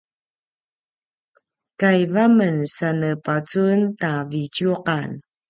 kaiv a men sa ne pacun ta vitjuqan